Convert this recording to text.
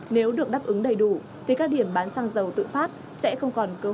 nếu được đáp ứng đầy đủ thì các điểm bán xăng dầu tự phát sẽ không còn cơ hội